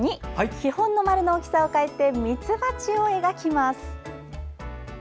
基本の丸の大きさを変えてみつばちを描きます。